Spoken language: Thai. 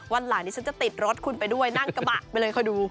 วันหลังนี้ฉันจะติดรถคุณไปด้วยนั่งกระบะไปเลยคอยดู